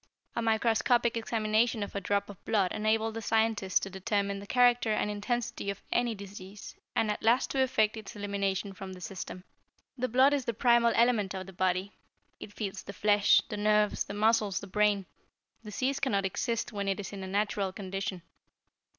A microscopic examination of a drop of blood enabled the scientist to determine the character and intensity of any disease, and at last to effect its elimination from the system. "The blood is the primal element of the body. It feeds the flesh, the nerves, the muscles, the brain. Disease cannot exist when it is in a natural condition.